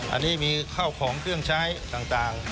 อันนี้มีข้าวของเครื่องใช้ต่าง